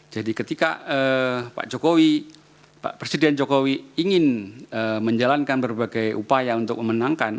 jadi ketika presiden jokowi ingin menjalankan berbagai upaya untuk memenangkan